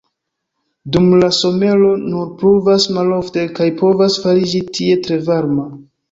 Dum la somero nur pluvas malofte kaj povas fariĝi tie tre varma.